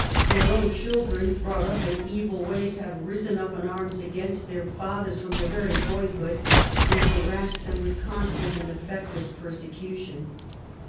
Their own children, brought up in evil ways, have risen up in arms against their fathers from their very boyhood, and harassed them with constant and effective persecution.